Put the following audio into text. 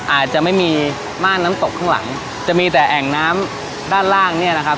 อาจจะไม่มีม่านน้ำตกข้างหลังจะมีแต่แอ่งน้ำด้านล่างเนี่ยนะครับ